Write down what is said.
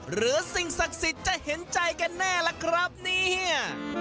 สิ่งศักดิ์สิทธิ์จะเห็นใจกันแน่ล่ะครับเนี่ย